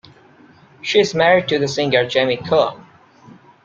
She is married to the singer Jamie Cullum.